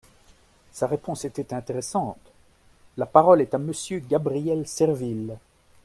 Sa réponse était intéressante ! La parole est à Monsieur Gabriel Serville.